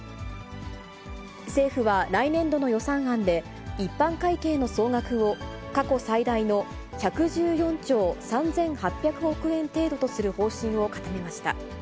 政府は来年度の予算案で、一般会計の総額を、過去最大の１１４兆３８００億円程度とする方針を固めました。